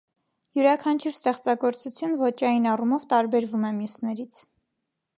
Յուրաքանչյուր ստեղծագործություն ոճային առումով տարբերվում է մյուսներից։